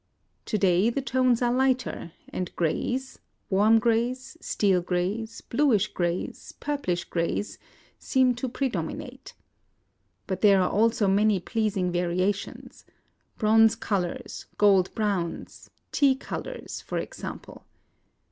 To day the tones are lighter ; and greys — warm greys, steel greys, bluish greys, purplish greys — seem to predominate. But there are also many pleasing variations, — bronze colors, gold browns, " tea colors," for example.